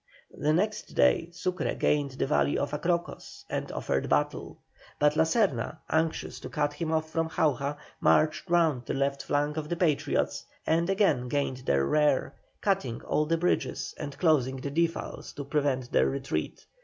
The next day Sucre gained the valley of Acrocos and offered battle. But La Serna, anxious to cut him off from Jauja, marched round the left flank of the Patriots and again gained their rear, cutting all the bridges and closing the defiles to prevent their retreat.